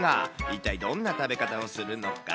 一体どんな食べ方をするのか。